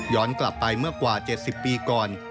กลับไปเมื่อกว่า๗๐ปีก่อน